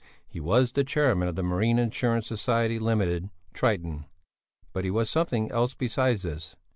He was the chairman of the Marine Insurance Society Limited "Triton," but he was something else beside this.